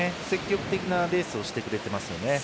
積極的なレースをしてくれてますよね。